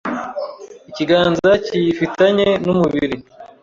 ikiganza kiyifitanye n’umubiri.